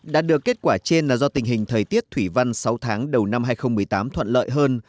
đạt được kết quả trên là do tình hình thời tiết thủy văn sáu tháng đầu năm hai nghìn một mươi tám thuận lợi hơn